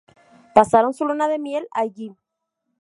Pasaron su luna de miel allí.